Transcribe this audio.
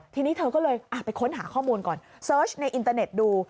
ทีนี้เธอก็เลยไปค้นหาข้อมูลก่อนเสิร์ชในอินเตอร์เน็ตดู